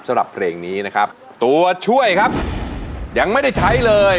สำหรับเพลงนี้นะครับตัวช่วยครับยังไม่ได้ใช้เลย